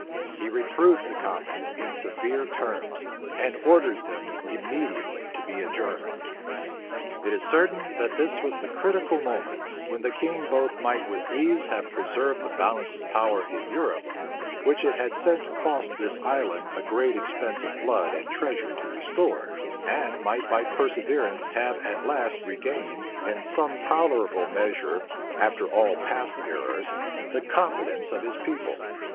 He reproved the commons in severe terms, and ordered them immediately to be adjourned. It is certain, that this was the critical moment, when the king both might with ease have preserved the balance of power in Europe, which it has since cost this island a great expense of blood and treasure to restore, and might by perseverance have at last regained, in some tolerable measure, after all past errors, the confidence of his people.